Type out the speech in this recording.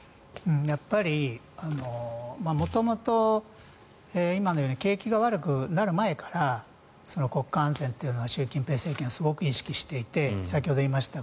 やっぱり元々今のように景気が悪くなる前から国家安全というのは習近平政権、すごく意識していて先ほど言いました